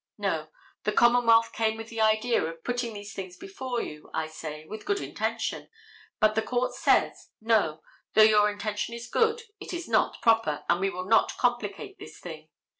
No, the commonwealth came with the idea of putting these things before you, I say, with good intention, but the court says, "No, though your intention is good, it is not proper, and we will not complicate this thing.